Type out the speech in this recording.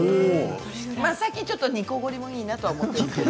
最近ちょっと煮こごりもいいなと思ってるんだけど。